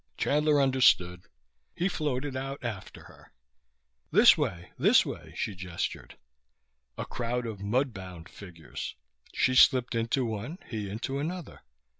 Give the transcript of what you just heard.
Chandler understood. He floated out after her. This way, this way, she gestured. A crowd of mudbound figures. She slipped into one, he into another.